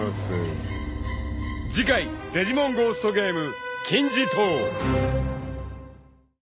［次回『デジモンゴーストゲーム』］